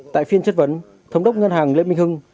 tại phiên chất vấn thống đốc ngân hàng lê minh hưng